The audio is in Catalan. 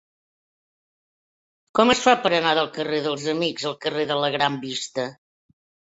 Com es fa per anar del carrer dels Amics al carrer de la Gran Vista?